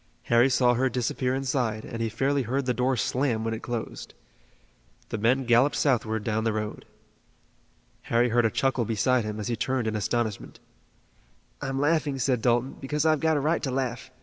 Harry saw her disappear inside, and he fairly heard the door slam when it closed. The men galloped southward down the road. Harry heard a chuckle beside him and he turned in astonishment. "I'm laughing," said Dalton, "because I've got a right to laugh.